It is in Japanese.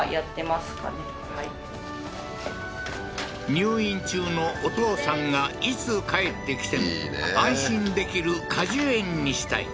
入院中のお父さんがいつ帰ってきても安心できる果樹園にしたい